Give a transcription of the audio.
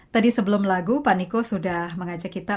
tadi sebelum lagu pak niko sudah mengajak kita